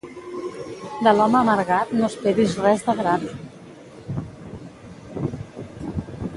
De l'home amargat no esperis res de grat